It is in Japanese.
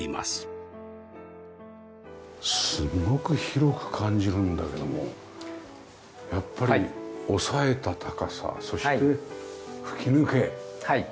すごく広く感じるんだけどもやっぱり抑えた高さそして吹き抜け。